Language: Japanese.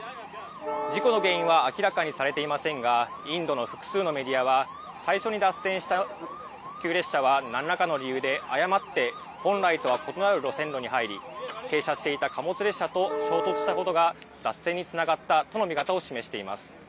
事故の原因は明らかにされていませんが、インドの複数のメディアは、最初に脱線した特急列車はなんらかの理由で誤って本来とは異なる線路に入り、停車していた貨物列車と衝突したことが脱線につながったとの見方を示しています。